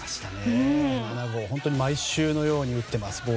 ７号、毎週のように打ってます。